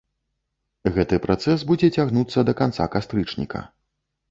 Гэты працэс будзе цягнуцца да канца кастрычніка.